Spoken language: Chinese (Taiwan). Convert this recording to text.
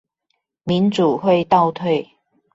民主會倒退